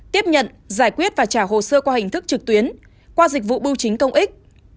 tiếp nhận giải quyết và trả hồ sơ qua hình thức trực tuyến qua dịch vụ bưu chính công ích